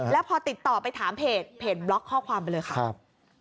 แล้วพอติดต่อไปถามเพจเพจบล็อกข้อความไปเลยค่ะครับ